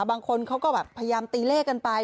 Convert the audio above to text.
บางคนเขาก็แบบพยายามตีเลขกันไป